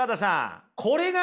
これがね